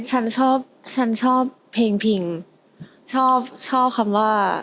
ฉันชอบเพลงชอบคำว่า